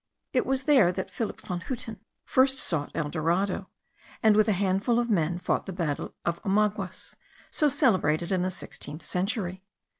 It was there that Philip von Huten first sought El Dorado, and with a handful of men fought the battle of Omaguas, so celebrated in the sixteenth century.